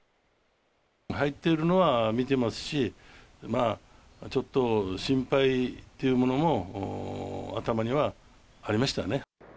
入ってるのは見てますし、まあ、ちょっと心配っていうものも、頭にはありましたね。